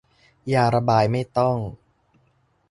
ยาระบายไม่ต้อง